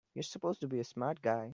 You're supposed to be a smart guy!